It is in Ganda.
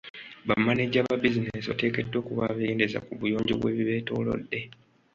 Ba maneja ba bizinesi bateekeddwa okuba abeegendereza ku buyonjo bw'ebibeetoolodde.